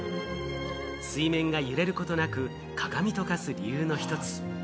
水面が揺れることなく、鏡と化す理由の１つ。